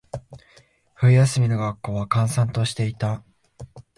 冬休みの学校は、閑散としていた。